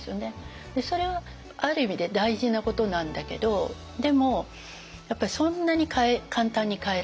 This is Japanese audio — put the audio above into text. それはある意味で大事なことなんだけどでもやっぱりそんなに簡単に変えられない。